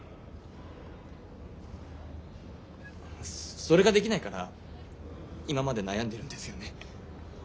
それができないから今まで悩んでるんですよね。